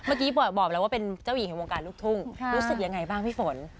เมื่อกี้บอกแล้วว่าเป็นเจ้าหญิงแห่งวงการลูกทุ่งรู้สึกยังไงบ้างพี่ฝน